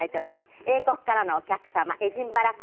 英国からのお客様エディンバラ公